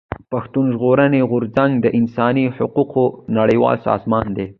پښتون ژغورني غورځنګ د انساني حقوقو نړيوال سازمان دی.